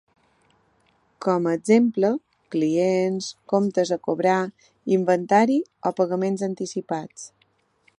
Com a exemple: clients, comptes a cobrar, inventari, o pagaments anticipats.